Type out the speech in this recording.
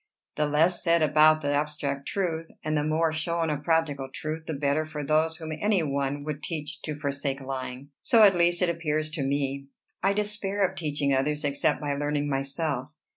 The less said about the abstract truth, and the more shown of practical truth, the better for those whom any one would teach to forsake lying. So, at least, it appears to me. I despair of teaching others, except by learning myself."